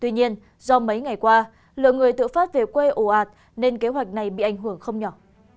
tuy nhiên do mấy ngày qua lượng người tự phát về quê ồ ạt nên kế hoạch này bị ảnh hưởng không nhỏ